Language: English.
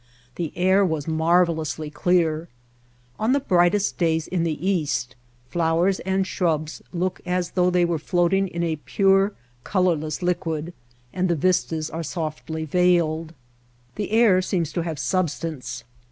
The air was marvelously clear. On the brightest days in the east flowers and shrubs look as though they were floating in a pure, colorless liquid, and the vistas are softly veiled. The air seems to have substance.